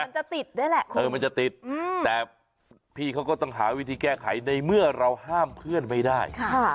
มันจะติดด้วยแหละเออมันจะติดแต่พี่เขาก็ต้องหาวิธีแก้ไขในเมื่อเราห้ามเพื่อนไม่ได้